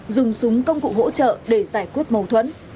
dùng súng công cụ hỗ trợ để giải quyết mâu thuẫn